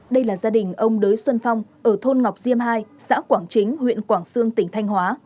đây là gia đình ông đới xuân phong ở thôn ngọc diêm hai xã quảng chính huyện quảng sương tỉnh thanh hóa